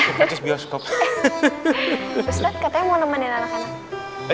ustadz katanya mau nemenin anak anak